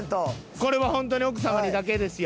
これは本当に奥様にだけですよ。